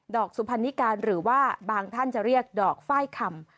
ดอกสุพันธ์นิกาค่ะหรือว่าบางท่านจะเรียกดอกไฟ่ข่ำ